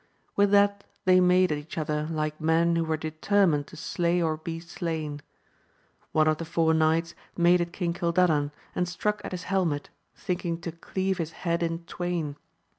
With that they made at each other like men who were determined to slay or be slain. One of the four knights made at King Cil dadan, and struck at his helmet, thinking to cleave his head in twain.